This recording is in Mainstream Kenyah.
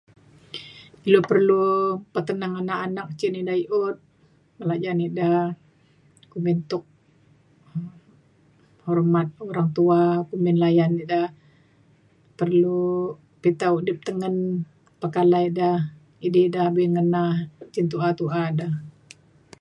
ilu perlu petenang anak-anak cen ida i'iut belajan ida kumin tuk hormat orang tua kumin layan ida perlu pita udip tengen pekalai ida idi ida be'un ngena cen tu'a tu'a ida